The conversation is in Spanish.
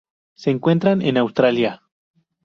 Se encuentran en Australia.